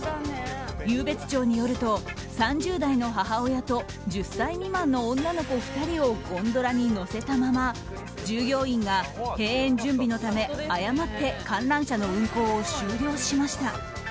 湧別町によると３０代の母親と１０歳未満の女の子２人をゴンドラに乗せたまま従業員が閉園準備のため誤って観覧車の運行を終了しました。